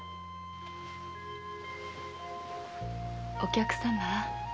お客様。